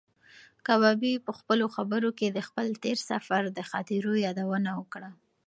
کبابي په خپلو خبرو کې د خپل تېر سفر د خاطرو یادونه وکړه.